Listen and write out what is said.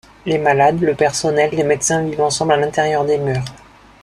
Les malades, le personnel, les médecins vivent ensemble à l'intérieur des murs.